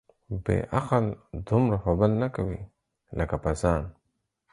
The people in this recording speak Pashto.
بې عقل دومره په بل نه کوي ، لکه په ځان.